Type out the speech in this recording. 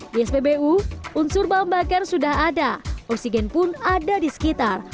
di spbu unsur bahan bakar sudah ada oksigen pun ada di sekitar